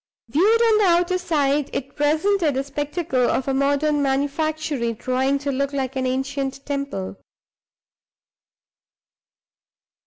Viewed on the outer side, it presented the spectacle of a modern manufactory trying to look like an ancient temple.